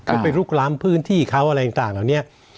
ไปลุกล้ำพื้นที่เขาอะไรต่างเหล่านี้